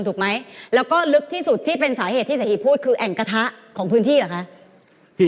ถูกไหมแล้วก็ลึกที่สุดที่เป็นสาเหตุที่เศรษฐีพูดคือแอ่งกระทะของพื้นที่เหรอคะ